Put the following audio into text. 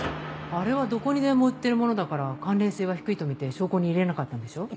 あれはどこにでも売ってる物だから関連性は低いとみて証拠に入れなかったんでしょう。